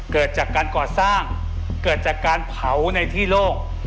เกิดจากการก่อสร้างเกิดจากการเผาในที่โล่ง